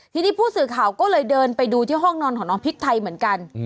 ทีนี้ผู้สื่อข่าวก็เลยเดินไปดูที่ห้องนอนของน้องพริกไทยเหมือนกัน